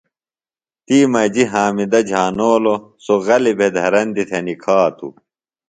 تی مجیۡ حامدہ جھانولوۡ سوۡ غلیۡ بھےۡ دھرندیۡ تھےۡ نِکھاتوۡ۔